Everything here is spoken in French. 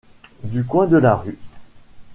Du coin de la rue.